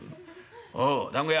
おうだんご屋」。